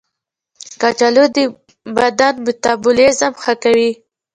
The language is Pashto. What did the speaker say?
کچالو د بدن میتابولیزم ښه کوي.